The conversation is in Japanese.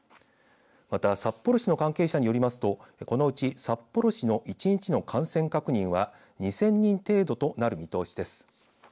また札幌市の関係者によりますとこのうち札幌市の１日の感染確認は２０００人程度となる見通しです。